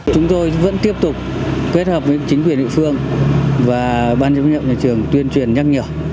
chúng tôi vẫn tiếp tục kết hợp với chính quyền địa phương và ban giám hiệu nhà trường tuyên truyền nhắc nhở